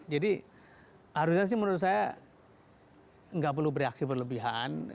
jadi harusnya sih menurut saya nggak perlu bereaksi berlebihan